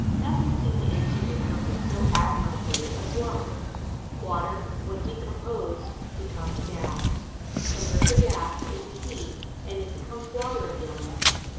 Nothing seemed to answer their purpose so admirably as water. Water, when decomposed, becomes gas. Convert the gas into heat and it becomes water again.